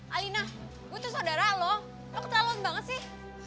alina gue tuh saudara lo lo keterlaluan banget sih